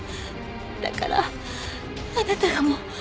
だからあなたがもう。